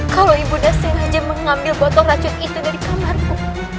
kalau ibunya sengaja mengambil botol racun itu dari kamarku